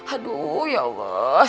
aduh ya allah